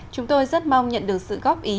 chúng tôi rất mong nhận được sự góp ý